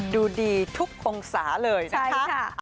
ดูดีทุกของสาเลยนะครับ